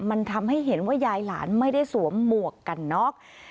มันทำให้เห็นว่ายายหลานไม่ได้สวมหมวกกันน็อก